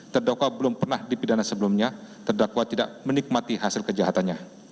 terdakwa belum pernah dipidana sebelumnya terdakwa tidak menikmati hasil kejahatannya